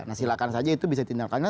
nah silakan saja itu bisa tindakannya